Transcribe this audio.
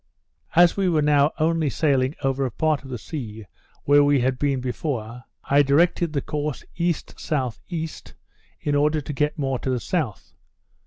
As we were now only sailing over a part of the sea where we had been before, I directed the course E.S.E. in order to get more to the south.